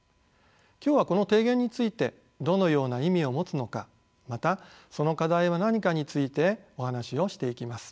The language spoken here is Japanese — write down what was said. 今日はこの提言についてどのような意味を持つのかまたその課題は何かについてお話をしていきます。